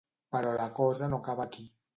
Però la cosa no acaba aquí.